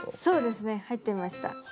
そうですね入ってました。